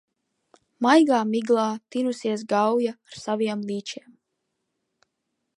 Maigā miglā tinusies Gauja ar saviem līčiem.